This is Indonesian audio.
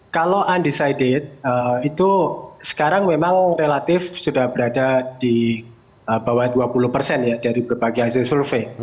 kalau undecided itu sekarang memang relatif sudah berada di bawah dua puluh persen ya dari berbagai hasil survei